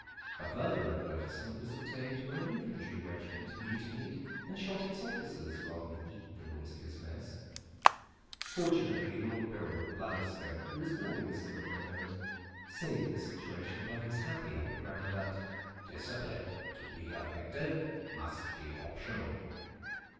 A further advertisement was obtained when an infantry regiment mutinied and shot its officers rather than eat the nauseous mess; fortunately. Lord Birrell of Blatherstone, who was War Minister at the moment, saved the situation by his happy epigram, that "Discipline to be effective must be optional."